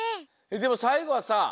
でもさいごはさ